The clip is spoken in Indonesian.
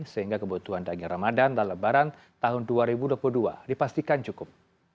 sehingga kebutuhan daging ramadan dan lebaran tahun dua ribu dua puluh dua dipastikan cukup